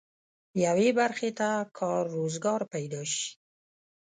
یوې برخې ته کار روزګار پيدا شي.